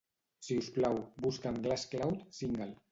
Si us plau, busca'm Glass Cloud - Single.